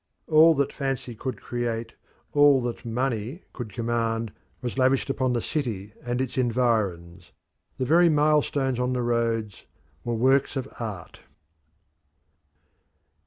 All that fancy could create, all that money could command, was lavished upon the city and its environs the very milestones on the roads were works of art.